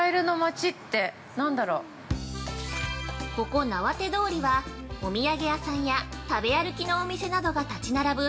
◆ここなわて通りは、お土産屋さんや食べ歩きのお店などが立ち並ぶ